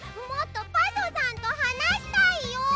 もっとパソさんとはなしたいよ！